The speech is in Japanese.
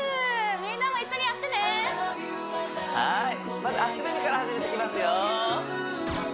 みんなも一緒にやってねはいまず足踏みから始めていきますよ